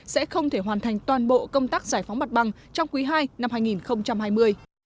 sẽ không thể hoàn thành toàn bộ công tác giải phóng mặt bằng trong quý ii năm hai nghìn hai mươi